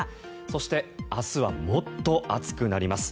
そして、明日はもっと暑くなります。